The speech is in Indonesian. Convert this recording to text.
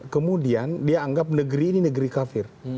kemudian dia anggap negeri ini negeri kafir